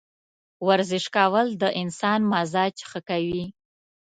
ورزش کول د انسان مزاج ښه کوي.